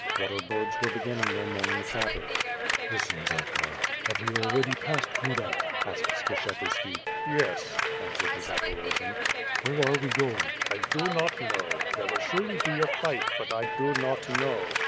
Water birds were beginning their morning chatter. "Listen Zakhar, have we already passed Kudak?" asked Skshetuski. "Yes,'' answered the Zaporojian. *\\Tiere are we going?" "I do not know. There will surely be a fight, but I do not know."